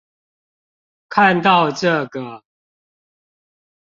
看到這個